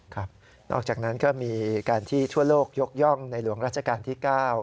ครับนอกจากนั้นก็มีการที่ทั่วโลกยกย่องในหลวงราชการที่๙